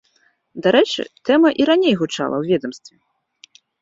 Дарэчы, тэма і раней гучала ў ведамстве.